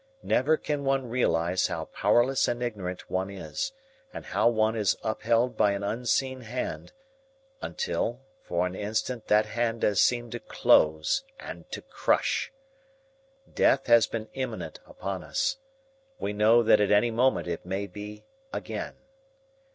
Never can one realize how powerless and ignorant one is, and how one is upheld by an unseen hand, until for an instant that hand has seemed to close and to crush. Death has been imminent upon us. We know that at any moment it may be again.